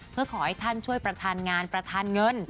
เพื่อขอให้ท่านช่วยประธานงานประธานเงิน